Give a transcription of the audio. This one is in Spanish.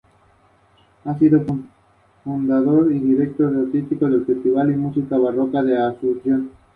A la izquierda del cuerpo principal se encontraban las cuadras y otras dependencias auxiliares.